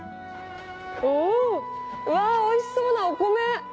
おうわおいしそうなお米！